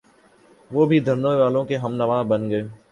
وہ بھی دھرنے والوں کے ہمنوا بن گئے۔